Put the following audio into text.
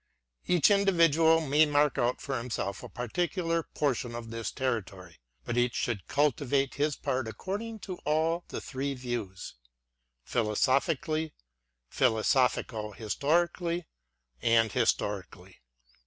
Each individual may mark out for himself a par ticular portion of this territory ; but each should cultivate his part according to all the three views, — 2jhilosophically, philo sophico historically, and historically.